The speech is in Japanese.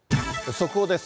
速報です。